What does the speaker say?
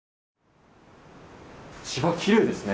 芝きれいですね。